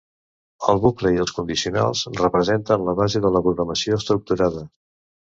El bucle i els condicionals representen la base de la programació estructurada.